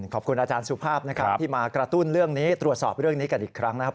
ขอบคุณอาจารย์สุภาพนะครับที่มากระตุ้นเรื่องนี้ตรวจสอบเรื่องนี้กันอีกครั้งนะครับ